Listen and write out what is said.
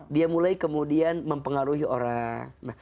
dia mulai kemudian mempengaruhi orang